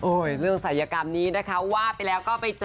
เรื่องศัยกรรมนี้นะคะว่าไปแล้วก็ไปเจอ